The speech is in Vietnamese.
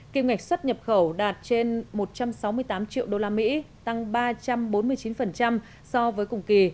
kim ngạch xuất nhập khẩu đạt trên một trăm sáu mươi tám triệu đô la mỹ tăng ba trăm bốn mươi chín so với cùng kỳ